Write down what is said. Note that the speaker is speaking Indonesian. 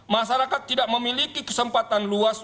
masyarakat tidak memiliki kesempatan luas